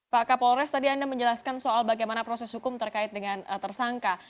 pak kapolres tadi anda menjelaskan soal bagaimana proses hukum terkait dengan tersangka